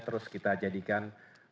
terus kita jadikan